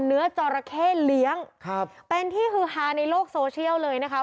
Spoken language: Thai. เนื้อจอราเข้เลี้ยงเป็นที่คือฮาในโลกโซเชียลเลยนะครับ